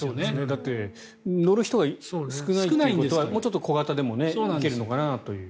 だって乗る人が少ないということはもうちょっと小型でもいけるのかなという。